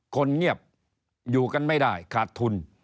คนเงียบอยู่กันไม่ได้ขาดทุน